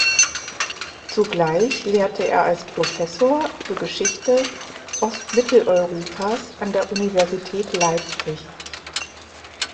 Zugleich lehrte er als Professor für Geschichte Ostmitteleuropas an der Universität Leipzig.